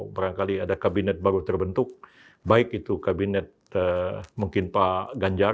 barangkali ada kabinet baru terbentuk baik itu kabinet mungkin pak ganjar